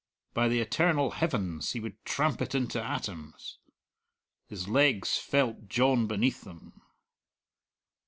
By the eternal heavens he would tramp it into atoms. His legs felt John beneath them.